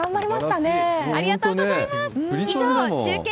ありがとうございます。